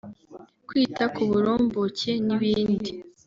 kwita ku burumbuke n’ibindi